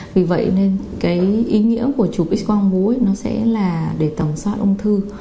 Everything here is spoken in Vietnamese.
vì vậy nên cái ý nghĩa của trục x quang vố nó sẽ là để tầm soát ung thư